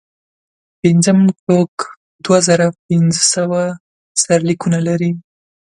پنځم ټوک دوه زره پنځه سوه سرلیکونه لري.